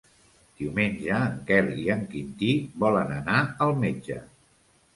Diumenge en Quel i en Quintí volen anar al metge.